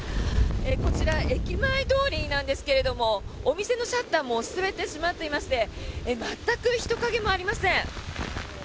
こちら、駅前通りなんですけどお店のシャッターも全て閉まっていまして全く人影もありません。